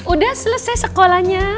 udah selesai sekolahnya